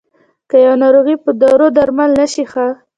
که يوه ناروغي په دارو درمل نه شي ښه.